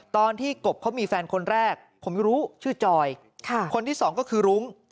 กบเขามีแฟนคนแรกผมไม่รู้ชื่อจอยคนที่สองก็คือรุ้ง